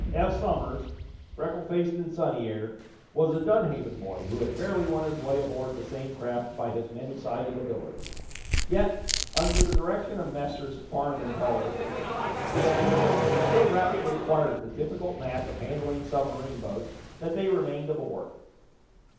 Eph Somers, freckle faced and sunny aired, was a Dunhaven boy who had fairly won his way aboard the same craft by his many sided ability. Yet, under the direction of Messrs. Farnum and Pollard these youngsters so rapidly acquired the difficult knack of handling submarine boats that they remained aboard.